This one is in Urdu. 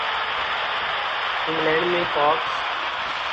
انگلینڈ میں پاکس